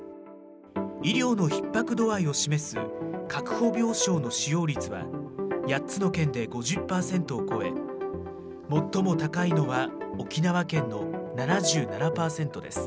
医療のひっ迫度合いを示す確保病床の使用率は、８つの県で５０％を超え、最も高いのは沖縄県の７７％です。